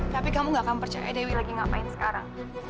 tapi kamu gak akan percaya dewi lagi ngapain sekarang